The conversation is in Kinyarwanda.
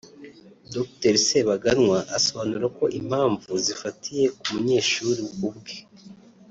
Dr Sebaganwa asobanura ko impamvu zifatiye ku munyeshuri ubwe